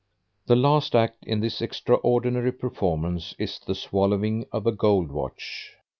The last act in this extraordinary performance is the swallowing of a gold watch.